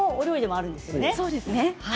そうですね。